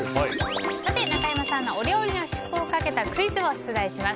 さて、中山さんのお料理の試食をかけたクイズを出題します。